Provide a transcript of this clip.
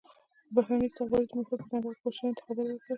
د بهرني استخباراتي مافیا په ځنګل کې وحشیانو ته خبره وکړي.